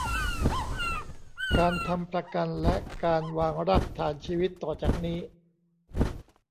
การทำประกันและการวางรากฐานชีวิตต่อจากนี้